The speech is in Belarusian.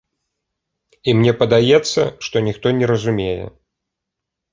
І мне падаецца, што ніхто не разумее.